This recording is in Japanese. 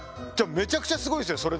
じゃあめちゃくちゃすごいですね